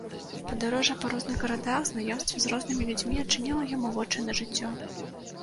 Падарожжа па розных гарадах, знаёмства з рознымі людзьмі адчыніла яму вочы на жыццё.